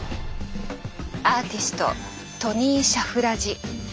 アーティストトニー・シャフラジ。